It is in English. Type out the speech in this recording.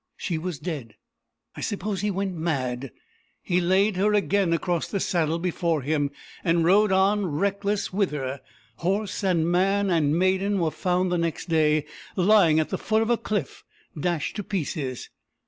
She was dead. I suppose he went mad. He laid her again across the saddle before him, and rode on, reckless whither. Horse, and man, and maiden were found the next day, lying at the foot of a cliff, dashed to pieces.